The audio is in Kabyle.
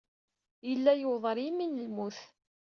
Yella yewweḍ ɣer yimi n lmut.